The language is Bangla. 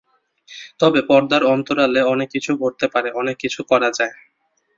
তবে পর্দার অন্তরালে অনেক কিছু ঘটতে পারে, অনেক কিছু করা যায়।